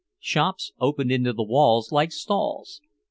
Shops opened into the walls like stalls.